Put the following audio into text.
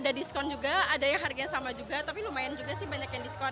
ada diskon juga ada yang harganya sama juga tapi lumayan juga sih banyak yang diskon